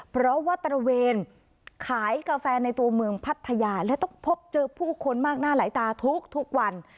เพราะว่าตระเวนขายกาแฟในตัวเมืองพัทยาและต้องพบเจอผู้คนมากหน้าหลายตาทุกวัน